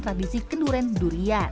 tradisi kenduren durian